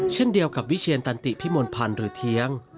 เช่นเดียวกับวิเชียรตันติพิมลพันธ์หรือเทียง